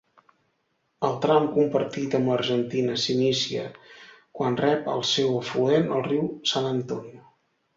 El tram compartit amb l'Argentina s'inicia quan rep el seu afluent, el riu San Antonio.